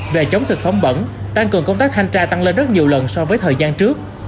về chống thực phẩm bẩn tăng cường công tác thanh tra tăng lên rất nhiều lần so với thời gian trước